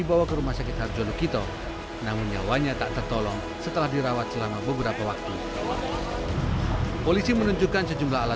berencana dengan hukuman maksimal